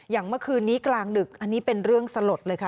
เมื่อคืนนี้กลางดึกอันนี้เป็นเรื่องสลดเลยค่ะ